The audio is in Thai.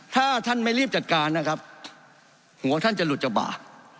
ถ้าท่านไม่รีบจัดการนะครับหัวท่านจะหลุดจะบาก